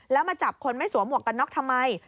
แล้วมาจับคนไม่สวมหวกกันน็อกทำไม